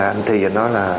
anh thì nói là